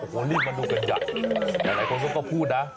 โหรีบมาดูกันอย่างนี้แต่มีคนต้องก็พูดฮะ